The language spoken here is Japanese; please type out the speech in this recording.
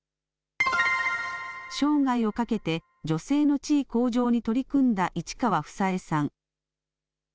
生涯をかけて女性の地位向上に取り組んだ市川房枝さん。